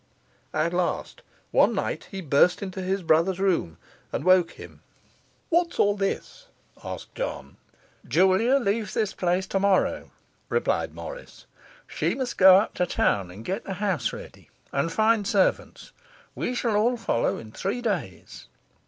At last, one night, he burst into his brother's room and woke him. 'What's all this?' asked John. 'Julia leaves this place tomorrow,' replied Morris. 'She must go up to town and get the house ready, and find servants. We shall all follow in three days.